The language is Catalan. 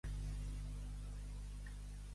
Tros de merda.